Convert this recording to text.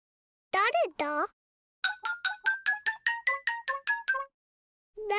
だれだ？